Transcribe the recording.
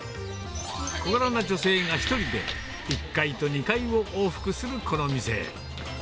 小柄な女性が１人で１階と２階を往復するこの店。